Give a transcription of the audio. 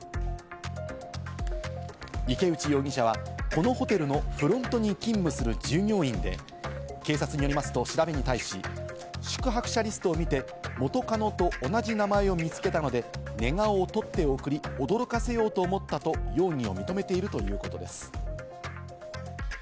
池内容疑者は、このホテルのフロントに勤務する従業員で、警察によりますと調べに対し、宿泊者リストを見て、元カノと同じ名前を見つけたので、寝顔を撮って送り、驚かせようと思ったと、容疑を認めているということです。